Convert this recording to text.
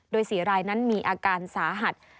โดย๔รายนั้นมีอาการสาหัส